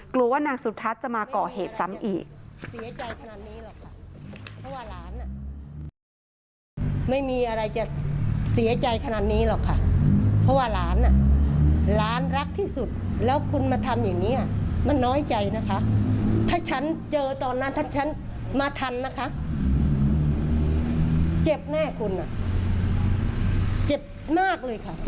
กลัวว่านางสุทัศน์จะมาก่อเหตุซ้ำอีก